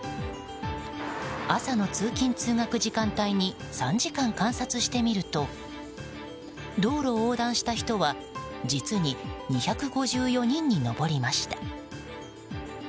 朝の通勤・通学時間帯に３時間、観察してみると道路を横断した人は実に２５４人に上りました。